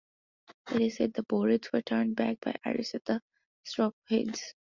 It is said that the Boreads were turned back by Iris at the Strophades.